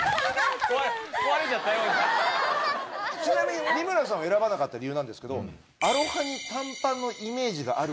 ちなみに三村さんを選ばなかった理由なんですけど。